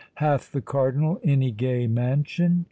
Hath the Cardinal any gay mansion?